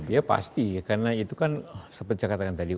ya pasti karena itu kan seperti cakap tadi